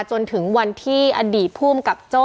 จนถึงวันที่อดีตภูมิกับโจ้